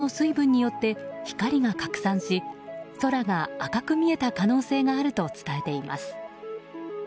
空気中の水分によって光が拡散し空が赤く見えた可能性があると伝えています。